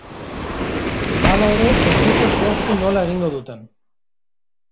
Hala ere, ez dute zehaztu nola egingo duten.